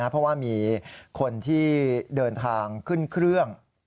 เพราะว่ามีคนที่เดินทางขึ้นเครื่อง